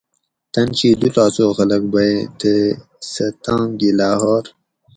تن شی دُو ڷہ سو خلق بۤئیں تے سہ تام گی لاہور